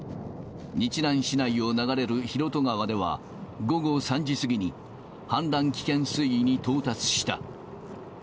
日南市内を流れる広渡川では午後３時過ぎに、氾濫危険水位に到達した。